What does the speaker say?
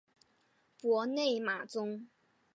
博内马宗。